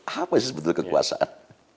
apa sih sebetulnya kekuasaan